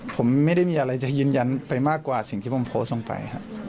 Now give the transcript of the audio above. ผมไม่ได้มีอะไรจะยืนยันไปมากกว่าสิ่งที่ผมโพสต์ลงไป